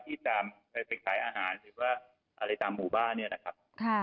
ที่จะไปขายอาหารหรือว่าอะไรตามหมู่บ้านเนี่ยนะครับ